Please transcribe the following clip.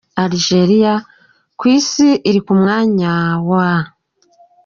Algeriya: ku isi iri ku mwanya wa .